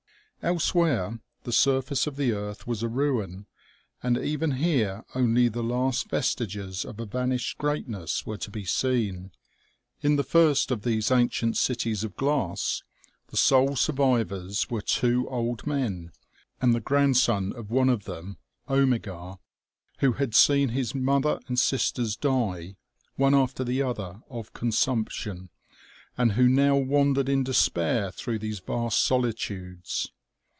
Elsewhere the surface of the earth was a ruin, and even here only the last vestiges of a vanished greatness were to be seen. 16 242 OMEGA . THK SOLE SURVIVORS. In the first of these ancient cities of glass, the sole survivors were two old men, and the grandson of one of them, Omegar, who had seen his mother and sisters die, one after the other, of consumption, and who now wandered in despair through these vast solitudes.